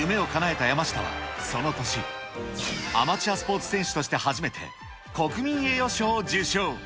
夢をかなえた山下は、その年、アマチュアスポーツ選手として初めて国民栄誉賞を受賞。